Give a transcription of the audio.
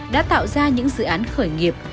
đã tạo ra những dự án khởi nghiệp